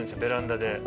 ベランダで。